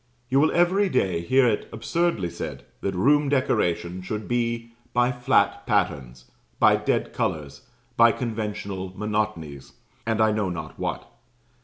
You will every day hear it absurdly said that room decoration should be by flat patterns by dead colours by conventional monotonies, and I know not what.